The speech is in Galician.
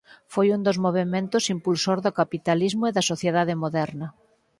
Foi un dos movementos impulsor do capitalismo e da sociedade moderna.